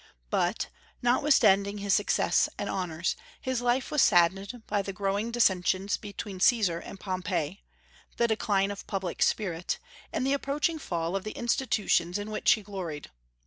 But, notwithstanding his success and honors, his life was saddened by the growing dissensions between Caesar and Pompey, the decline of public spirit, and the approaching fall of the institutions in which he gloried.